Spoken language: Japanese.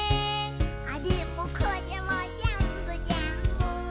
「あれもこれもぜんぶぜんぶ」